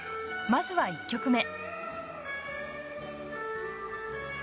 まずは１曲目。